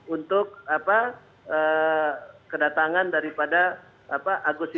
untuk kedatangan dari agus sisi